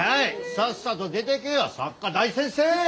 さっさと出てけよ作家大先生！